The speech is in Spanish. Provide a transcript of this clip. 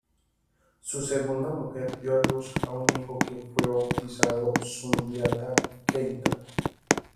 Su segunda mujer dio a luz a un hijo que fue bautizado Sundiata Keita.